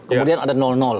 kemudian ada